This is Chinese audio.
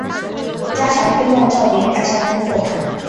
加强推动照明改善工作